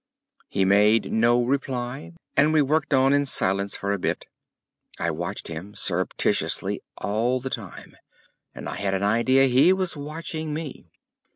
He made no reply, and we worked on in silence for a bit. I watched him surreptitiously all the time, and I had an idea he was watching me.